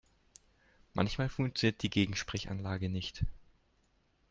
Manchmal funktioniert die Gegensprechanlage nicht.